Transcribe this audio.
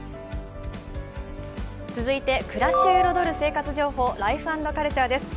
続いて暮らしを彩る生活情報、「ライフ＆カルチャー」です。